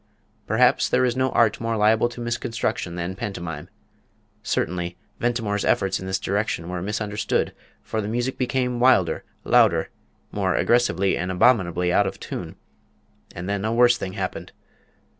Perhaps there is no art more liable to misconstruction than pantomime; certainly, Ventimore's efforts in this direction were misunderstood, for the music became wilder, louder, more aggressively and abominably out of tune and then a worse thing happened.